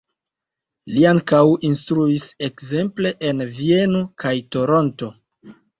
Li ankaŭ instruis ekzemple en Vieno kaj Toronto.